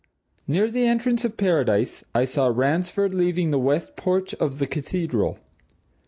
Near the entrance of Paradise, I saw Ransford leaving the west porch of the Cathedral.